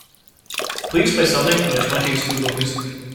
Please play something from the twenties google music